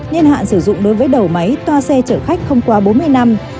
nhân hạn sử dụng đối với đầu máy toa xe chở khách không qua bốn mươi năm